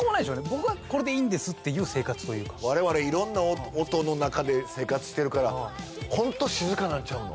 僕はこれでいいんですっていう生活というか我々色んな音の中で生活してるからホント静かなんちゃうの？